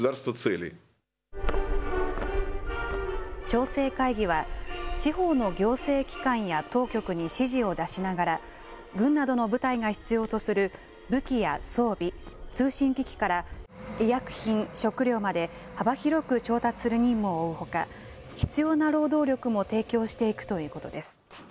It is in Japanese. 調整会議は、地方の行政機関や当局に指示を出しながら、軍などの部隊が必要とする武器や装備、通信機器から医薬品、食料まで幅広く調達する任務を負うほか、必要な労働力も提供していくということです。